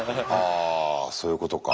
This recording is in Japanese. あそういうことか。